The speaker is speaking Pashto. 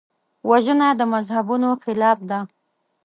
وژنه د مذهبونو خلاف ده